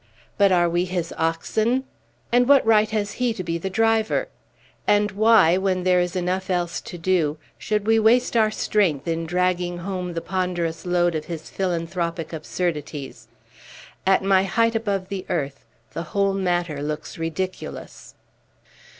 But are we his oxen? And what right has he to be the driver? And why, when there is enough else to do, should we waste our strength in dragging home the ponderous load of his philanthropic absurdities? At my height above the earth, the whole matter looks ridiculous!"